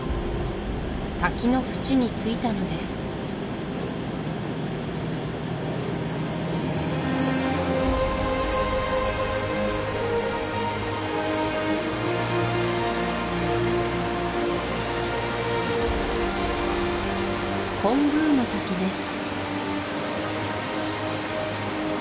滝のふちに着いたのですコングウの滝です